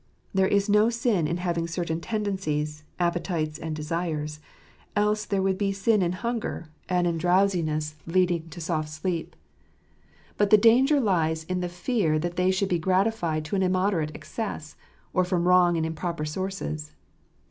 There is no sin in having certain tendencies, appetites, and desires ; else there would be sin in hunger, and in drowsiness leading 33 Itt tlyz 'get use rrf |tottjrlrar. to soft sleep. But the danger lies in the fear that they should be gratified to an immoderate excess, or from wrong and improper sources.